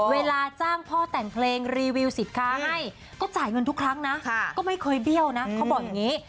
เวลาจ้างพ่อแต่งเพลงรีวิวสินค้าให้ก็จ่ายเงินทุกครั้งนะก็ไม่เคยเบี้ยวนะเขาบอกอย่างนี้